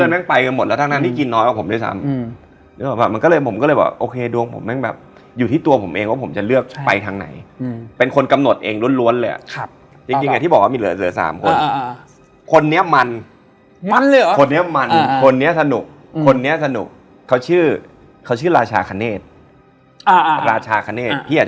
ว่าวางของไหว้เอ้ยเราไม่รู้นะพวกบายสีใดเออแต่เนี้ย